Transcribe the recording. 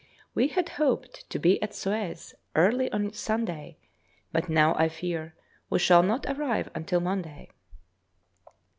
We had hoped to be at Suez early on Sunday, but now I fear we shall not arrive until Monday.